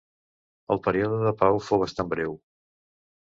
El període de pau fou bastant breu.